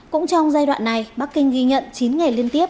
cũng trong giai đoạn này bắc kinh ghi nhận chín ngày liên tiếp